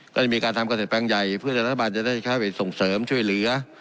ก็จะมีการทำเกษตรแปลงใหญ่เพื่อรัฐบาลจะได้เข้าไปส่งเสริมช่วยเหลือ